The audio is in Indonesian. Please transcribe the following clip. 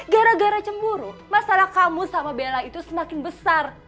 gara gara cemburu masalah kamu sama bella itu semakin besar